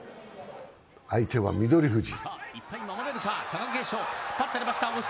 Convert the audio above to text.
相手は翠富士。